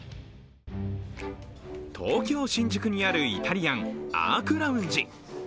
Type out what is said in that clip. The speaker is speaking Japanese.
東京・新宿にあるイタリアン、アークラウンジ。